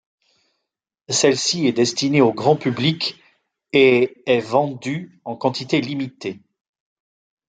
Celle-ci est destinée au grand public et est vendue en quantité limitée.